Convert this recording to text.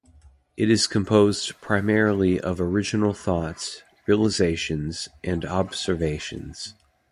It is composed primarily of original thoughts, realizations, and observations.